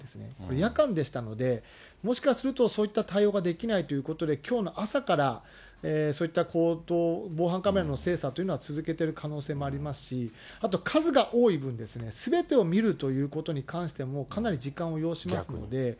夜間でしたので、もしかすると、そういった対応ができないということで、きょうの朝から、そういった行動、防犯カメラの精査というのは続けている可能性もありますし、あと数が多い分、すべてを見るということに関しても、かなり時間を要しますので。